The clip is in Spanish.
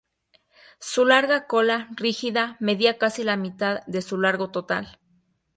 Su larga cola, rígida, medía casi la mitad de su largo total.